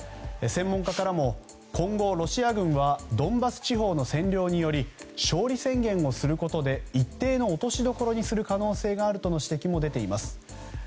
専門家からも今後、ロシア軍はドンバス地方の占領により勝利宣言をすることで一定の落としどころにする可能性があるとの指摘も出ています。